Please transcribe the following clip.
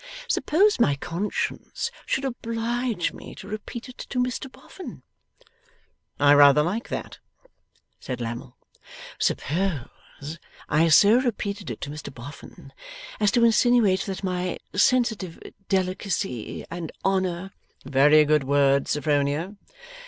Suppose my conscience should oblige me to repeat it to Mr Boffin.' 'I rather like that,' said Lammle. 'Suppose I so repeated it to Mr Boffin, as to insinuate that my sensitive delicacy and honour ' 'Very good words, Sophronia.